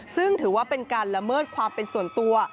ซึ่งถือว่าเป็นการละเมิดความเป็นส่วนตัว